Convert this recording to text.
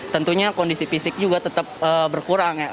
tentunya kondisi fisik juga tetap berkurang ya